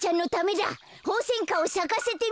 ホウセンカをさかせてみるよ。